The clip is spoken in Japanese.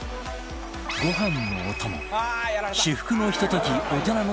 ご飯のお供